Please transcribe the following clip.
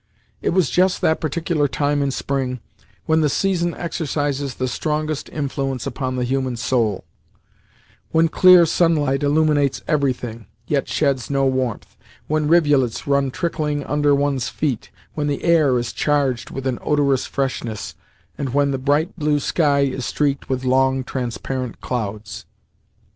It was just that particular time in spring when the season exercises the strongest influence upon the human soul when clear sunlight illuminates everything, yet sheds no warmth, when rivulets run trickling under one's feet, when the air is charged with an odorous freshness, and when the bright blue sky is streaked with long, transparent clouds.